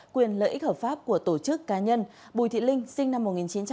quyền lợi ích hợp pháp của tổ chức cá nhân bùi thị linh sinh năm một nghìn chín trăm tám mươi